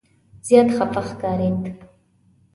زیات خفه ښکارېد.